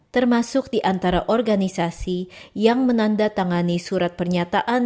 termasuk di antara organisasi yang menanda tangani surat pernyataan